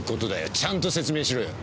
ちゃんと説明しろよ。